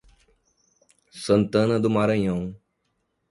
Santana do Maranhão